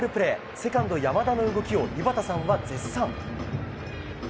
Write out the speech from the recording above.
セカンド山田の動きを井端さんは絶賛。